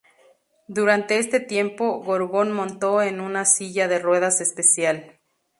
Durante este tiempo, Gorgon montó en una silla de ruedas especial.